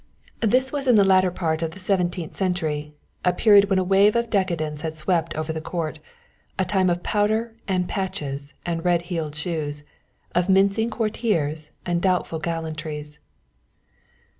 This was in the latter part of the seventeenth century, a period when a wave of decadence had swept over the Court, a time of powder and patches and red heeled shoes of mincing courtiers and doubtful gallantries.